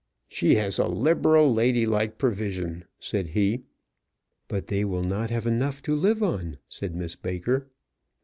"She has a liberal, ladylike provision," said he. "But they will not have enough to live on," said Miss Baker.